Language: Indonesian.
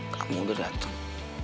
kamu udah datang